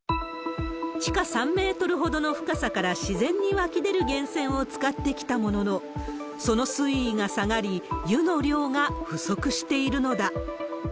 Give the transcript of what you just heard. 地下３メートルほどの深さから自然に湧き出る源泉を使ってきたものの、その水位が下がり、湯の量が不足しているのだ。